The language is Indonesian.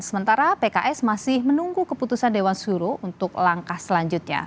sementara pks masih menunggu keputusan dewan suro untuk langkah selanjutnya